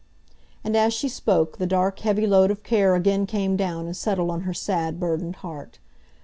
And as she spoke the dark, heavy load of care again came down and settled on her sad, burdened heart.